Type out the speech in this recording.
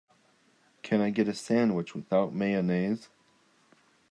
Can I get the sandwich without mayonnaise?